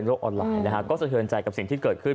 ออนไลน์นะฮะก็สะเทือนใจกับสิ่งที่เกิดขึ้น